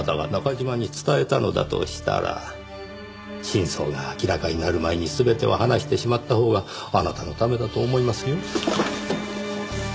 真相が明らかになる前に全てを話してしまったほうがあなたのためだと思いますよ。